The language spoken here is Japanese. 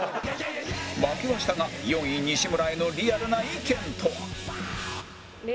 負けはしたが４位西村へのリアルな意見とは？